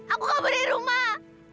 aku gak boleh rumah